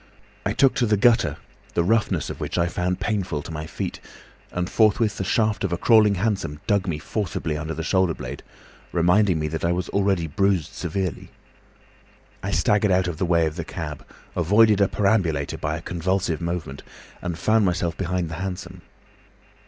I took to the gutter, the roughness of which I found painful to my feet, and forthwith the shaft of a crawling hansom dug me forcibly under the shoulder blade, reminding me that I was already bruised severely. I staggered out of the way of the cab, avoided a perambulator by a convulsive movement, and found myself behind the hansom.